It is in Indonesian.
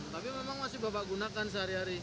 tapi memang masih bapak gunakan sehari hari